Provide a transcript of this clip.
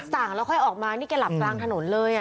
สั่งแล้วค่อยออกมานี่แกหลับกลางถนนเลย